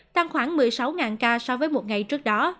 tăng khoảng một mươi sáu ca so với một ngày trước đó